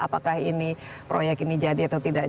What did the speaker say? apakah ini proyek ini jadi atau tidak